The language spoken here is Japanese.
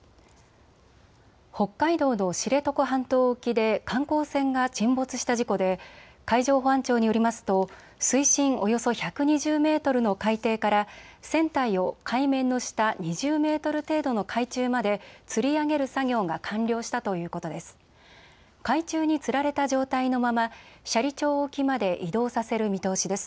北海道の知床半島沖で観光船が沈没した事故で海上保安庁によりますと水深およそ１２０メートルの海底から船体を海面の下２０メートル程度の海中までつり上げる作業が完了したということです。